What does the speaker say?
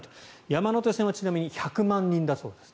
山手線はちなみに１００万人だそうです。